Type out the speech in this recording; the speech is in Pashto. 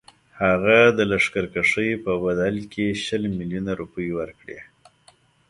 هغه د لښکرکښۍ په بدل کې شل میلیونه روپۍ ورکړي.